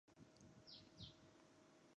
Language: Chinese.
吉打最高山日莱峰就位于莪仑西部。